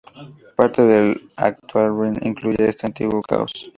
Parte del actual Rin incluye este antiguo cauce.